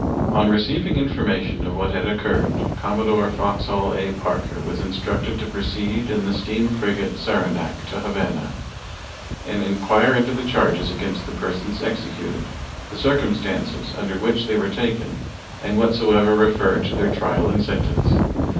On receiving information of what had occurred Commodore Foxhall A. Parker was instructed to proceed in the steam frigate Saranac to Havana and inquire into the charges against the persons executed, the circumstances under which they were taken, and whatsoever referred to their trial and sentence.